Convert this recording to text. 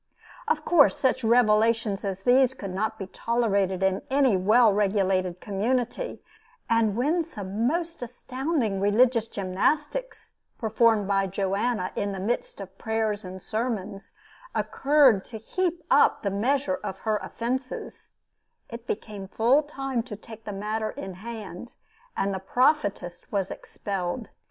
Of course, such revelations as these could not be tolerated in any well regulated community, and when some most astounding religious gymnastics performed by Joanna in the midst of prayers and sermons, occurred to heap up the measure of her offences, it became full time to take the matter in hand, and the prophetess was expelled.